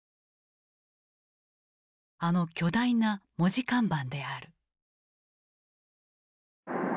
あの巨大な文字看板である。